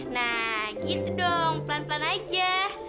nah gitu dong pelan pelan aja